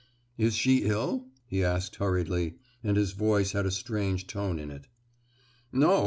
"Is she ill?" he asked hurriedly, and his voice had a strange tone in it. "No!